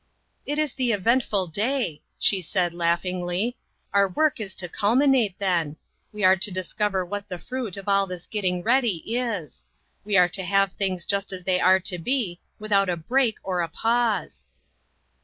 " It is the eventful day," she said, laugh ingly, "our work is to culminate then. We are to discover what the fruit of all this getting ready is ; we are to have things just as they are to be, without a break or a pause."